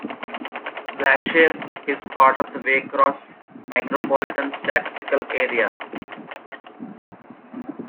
Blackshear is part of the Waycross Micropolitan Statistical Area.